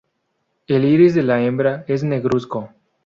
El iris de la hembra es negruzco.